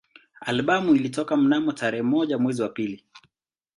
Albamu ilitoka mnamo tarehe moja mwezi wa pili